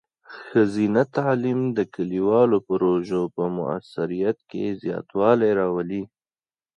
ښځینه تعلیم د کلیوالو پروژو په مؤثریت کې زیاتوالی راولي.